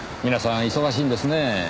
皆さん忙しいんですねぇ。